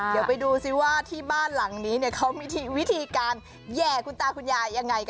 เดี๋ยวไปดูซิว่าที่บ้านหลังนี้เขามีวิธีการแห่คุณตาคุณยายยังไงกัน